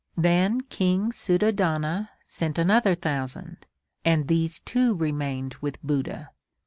Then King Suddhodana sent another thousand, and these too remained with Buddha.